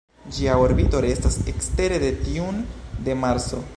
Ĝia orbito restas ekstere de tiun de Marso.